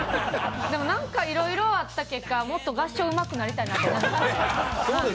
でも、いろいろあった結果、もっと合唱うまくなりたいなと思いました。